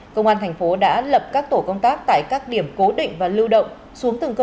công an thành phố đã lập các tổ công tác tại các điểm cố định và lưu động xuống từng cơ sở